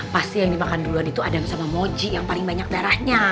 pasti yang dimakan duluan itu ada sama moji yang paling banyak darahnya